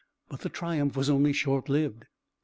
But the triumph was only short lived.